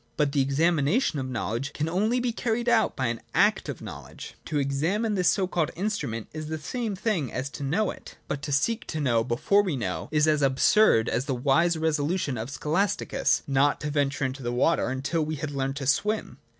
But the examination of knowledge can only be carried out by an act of know ledge. To examine this so called instrument is the same thing as to know it. But to seek to know before we know is as absurd as the wise resolution of Scholas ticus, not to venture into the water until he had learned to swim.